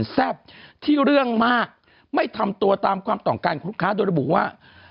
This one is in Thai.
แซ่บที่เรื่องมากไม่ทำตัวตามความต้องการของลูกค้าโดยระบุว่า